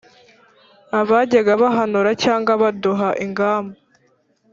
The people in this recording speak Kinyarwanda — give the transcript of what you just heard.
Abajyaga bahanura Cyangwa baduha ingamba